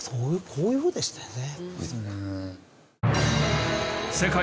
こういうふうでしたよね。